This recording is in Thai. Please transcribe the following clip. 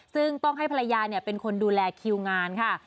ซึ่งต้องให้ภรรยาเป็นคนดูแลคิวงานค่ะ